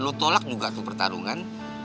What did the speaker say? lu tolak juga tuh pertarungan